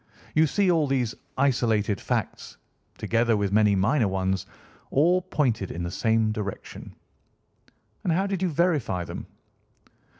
You see all these isolated facts, together with many minor ones, all pointed in the same direction." "And how did you verify them?"